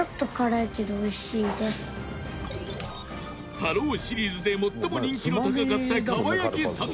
太郎シリーズで最も人気の高かった蒲焼さん